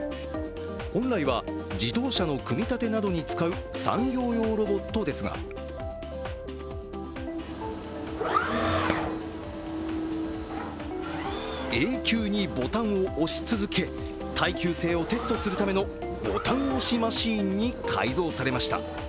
本来は自動車の組み立てなどに使う産業用ロボットですが永久にボタンを押し続け、耐久性をテストするためのボタン押しマシーンに改造されました。